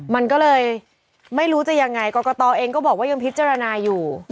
มันก็เลยไม่รู้จะยังไงกรกตเองก็บอกว่ายังพิจารณาอยู่